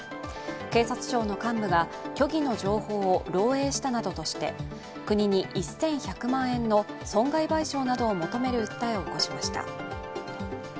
警察庁の幹部が虚偽の情報を漏えいしたなどとして国に１１００万円の損害賠償などを求める訴えを起こしました。